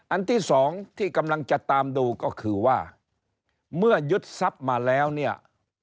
อันที่สองที่กำลังจะตามดูก็คือว่าเมื่อยึดทรัพย์มาแล้วเนี่ย